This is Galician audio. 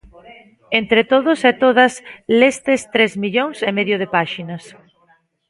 Entre todos e todas lestes tres millóns e medio de páxinas.